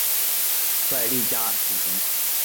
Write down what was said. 快利佳组成。